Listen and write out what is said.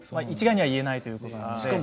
一概には言えないということです。